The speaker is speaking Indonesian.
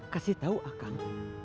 kasih tau akang